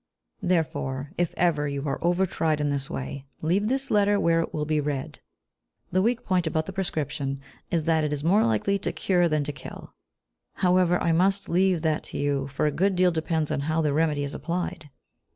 Therefore, if ever you are over tried in this way, leave this letter where it will be read. The weak point about the prescription is that it is more likely to cure than to kill. However, I must leave that to you, for a good deal depends on how the remedy is applied.